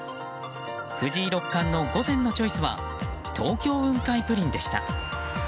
藤井六冠の午前のチョイスは東京雲海プリンでした。